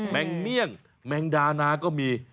งเมี่ยงแมงดานาก็มี